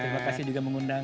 terima kasih juga mengundang